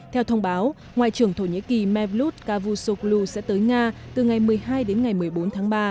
theo thông báo ngoại trưởng thổ nhĩ kỳ mevlut cavusoglu sẽ tới nga từ ngày một mươi hai đến ngày một mươi bốn tháng ba